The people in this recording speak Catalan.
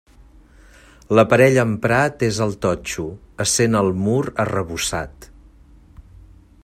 L'aparell emprat és el totxo, essent el mur arrebossat.